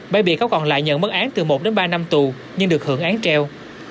bảy bị cáo còn lại nhận mức án từ một đến ba năm tù nhưng được hưởng án treo